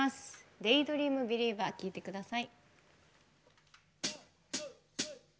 「デイ・ドリーム・ビリーバー」聴いてください。